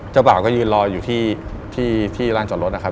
บ่าวก็ยืนรออยู่ที่ร้านจอดรถนะครับ